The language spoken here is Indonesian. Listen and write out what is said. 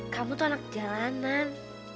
kamu tuh anak jalanan